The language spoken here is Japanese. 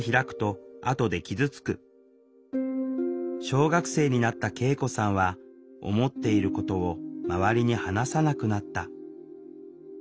小学生になった圭永子さんは思っていることを周りに話さなくなった。